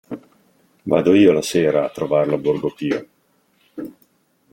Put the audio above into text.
Vado io la sera a trovarlo a Borgo Pio.